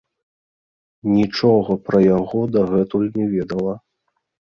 Нічога пра яго дагэтуль не ведала.